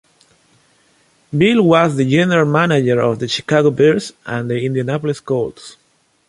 Bill was the general manager of the Chicago Bears and the Indianapolis Colts.